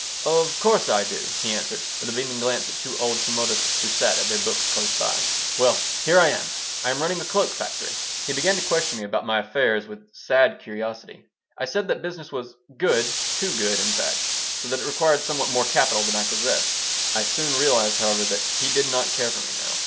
"Of course I do," he answered, with a beaming glance at two old Talmudists who sat at their books close by "Well, here I am. I am running a cloak factory." He began to question me about my affairs with sad curiosity. I said that business was "good, too good, in fact," so that it required somewhat more capital than I possessed. I soon realized, however, that he did not care for me now.